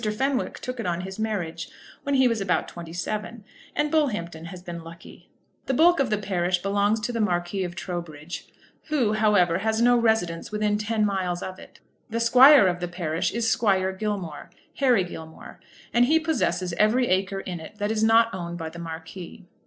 Fenwick took it on his marriage, when he was about twenty seven, and Bullhampton has been lucky. The bulk of the parish belongs to the Marquis of Trowbridge, who, however, has no residence within ten miles of it. The squire of the parish is Squire Gilmore, Harry Gilmore, and he possesses every acre in it that is not owned by the Marquis.